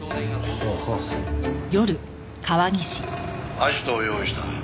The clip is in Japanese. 「アジトを用意した。